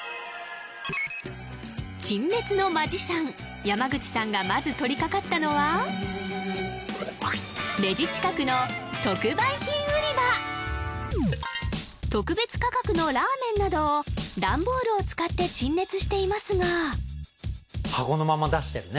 陳列のマジシャン山口さんがまず取りかかったのはレジ近くの特別価格のラーメンなどを段ボールを使って陳列していますが箱のまま出してるね